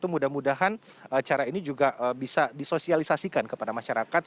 mudah mudahan cara ini juga bisa disosialisasikan kepada masyarakat